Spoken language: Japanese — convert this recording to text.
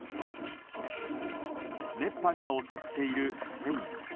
熱波が襲っているスペイン。